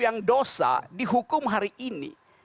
yang dosa dihukum hari ini